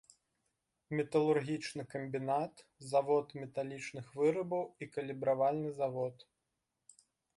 Металургічны камбінат, завод металічных вырабаў і калібравальны завод.